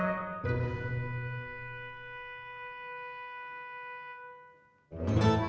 emang bilang emaknya udah kebanyakan emaknya udah kebanyakan